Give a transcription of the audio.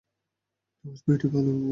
নুহাশ মেয়েটি ভালো।